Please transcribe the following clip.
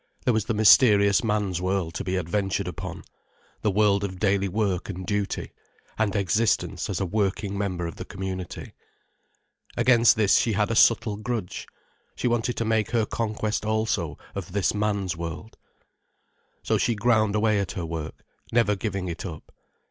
There was the mysterious man's world to be adventured upon, the world of daily work and duty, and existence as a working member of the community. Against this she had a subtle grudge. She wanted to make her conquest also of this man's world. So she ground away at her work, never giving it up.